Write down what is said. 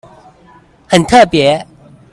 很特別